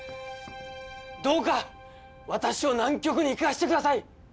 どうか私を南極に行かせてください。